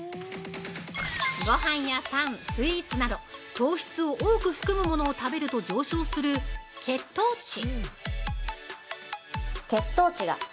◆ごはんやパン、スイーツなど糖質を多く含むものを食べると上昇する血糖値。